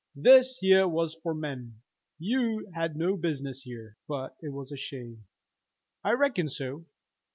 This here was for men. You'd no business here." "But it was a shame!" "I reckon so."